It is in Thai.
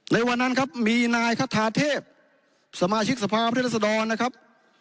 ในวันนั้นครับมีนายคาทาเทพสมาชิกสภาพุทธรัศดรนะครับ